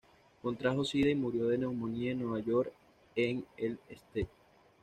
Contrajo sida y murió de neumonía en Nueva York en el St.